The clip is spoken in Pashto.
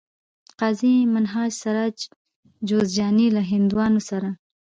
قاضي منهاج سراج جوزجاني له هندوانو سره